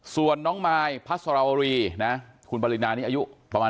ส่วนน้องมายพัสรวรีนะคุณปรินานี่อายุประมาณ